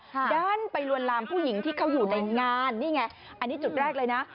ด้านไปลวนลามผู้หญิงที่เขาอยู่ในงานนี่ไงอันนี้จุดแรกเลยนะ